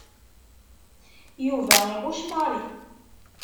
Yuba iɣucc Mary.